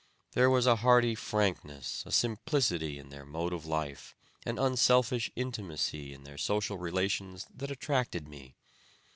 There was a hearty frankness, a simplicity in their mode of life, an unselfish intimacy in their social relations that attracted me.